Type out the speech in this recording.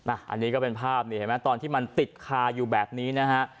อันนี้ก็เป็นภาพนี่เห็นไหมตอนที่มันติดคาอยู่แบบนี้นะฮะ